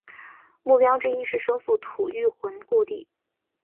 目标之一是收复吐谷浑故地。